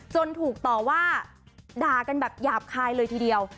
ถูกต่อว่าด่ากันแบบหยาบคายเลยทีเดียว